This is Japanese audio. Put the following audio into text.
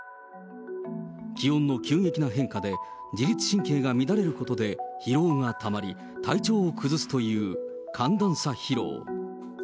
気温の急激な変化で、自律神経が乱れることで疲労がたまり、体調を崩すという寒暖差疲労。